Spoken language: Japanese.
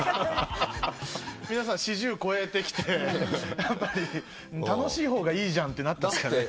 皆さん４０超えてきてやっぱり楽しい方がいいじゃんってなったんすかね。